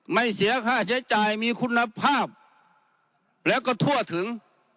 เสียค่าใช้จ่ายมีคุณภาพแล้วก็ทั่วถึง